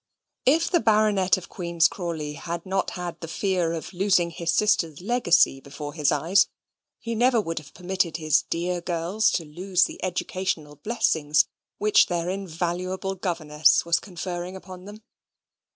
If the Baronet of Queen's Crawley had not had the fear of losing his sister's legacy before his eyes, he never would have permitted his dear girls to lose the educational blessings which their invaluable governess was conferring upon them.